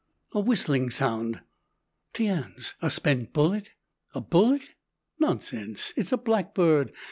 A whistling sound tiens, a spent bullet! A bullet? Nonsense it's a blackbird!